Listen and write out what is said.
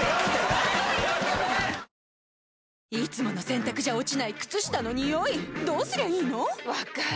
いつもの洗たくじゃ落ちない靴下のニオイどうすりゃいいの⁉分かる。